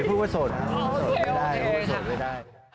บอกว่าสดไม่ได้